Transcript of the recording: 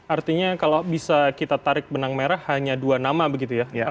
artinya kalau bisa kita tarik benang merah hanya dua nama begitu ya